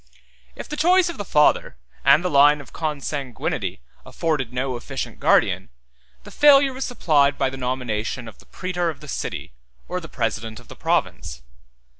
If the choice of the father, and the line of consanguinity, afforded no efficient guardian, the failure was supplied by the nomination of the praetor of the city, or the president of the province.